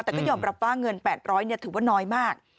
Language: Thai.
แต่ก็ยอมรับว่าเงิน๘๐๐ถือว่าน้อยมาก